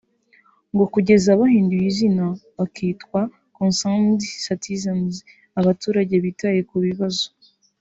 ngo kugeza bahinduye izina bakitwa Concerned Citizens (abaturage bitaye ku bibazo)